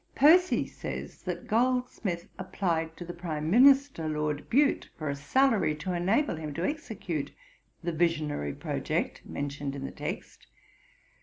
Percy says that Goldsmith applied to the prime minister, Lord Bute, for a salary to enable him to execute 'the visionary project' mentioned in the text.